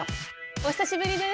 お久しぶりです！